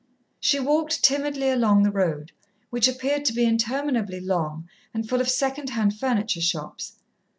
She walked timidly along the road, which appeared to be interminably long and full of second hand furniture shops.